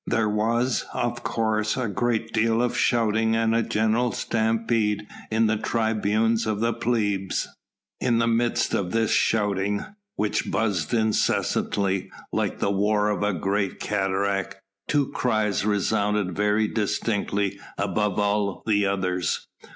There was, of course, a great deal of shouting and a general stampede in the tribunes of the plebs. In the midst of this shouting, which buzzed incessantly like the war of a great cataract, two cries resounded very distinctly above all the others.